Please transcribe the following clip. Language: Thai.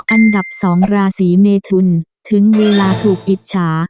อันดับ๒ราศีเมทุนถึงเวลาถูกอิจฉา